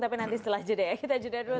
tapi nanti setelah juda ya kita juda dulu